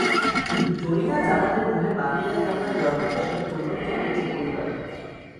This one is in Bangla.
জরিনা জামানের রুহের মাগফিরাত কামনায় দোয়া করতে সবাইকে অনুরোধ জানিয়েছে পরিবার।